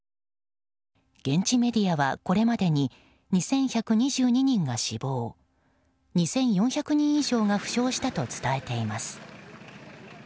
現地メディアはこれまでに２１２２人が死亡２４００人以上が負傷したと伝えています。